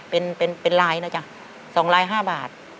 เป็นลายนะจ๊ะส่องลายห้าบาท